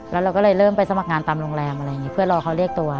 แล้วเราก็เลยเริ่มไปสมัครงานตามโรงแรมเพื่อรอเขาเรียกตัว